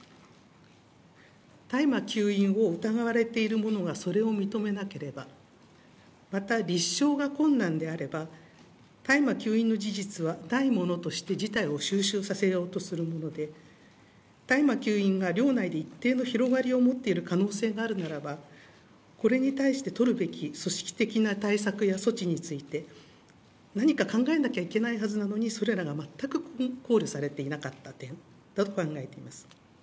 大麻吸引を疑われているものがそれを認めなければ、また立証が困難であれば、大麻吸引の事実はないものとして事態をしゅうしゅうさせようとするもので、大麻吸引が寮内で一定の広がりを持っている可能性があるならば、これに対して取るべき組織的な対策や措置について、何か考えなきゃいけないはずなのに、それらが全く考慮されていなかった点だと考えています。